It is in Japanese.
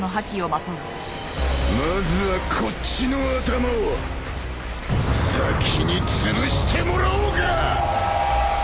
まずはこっちの頭を先につぶしてもらおうか！